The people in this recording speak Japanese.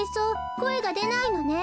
こえがでないのね。